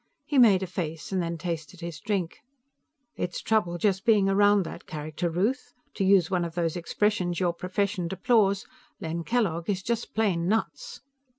He made a face, and then tasted his drink. "It's trouble just being around that character. Ruth, to use one of those expressions your profession deplores, Len Kellogg is just plain nuts!"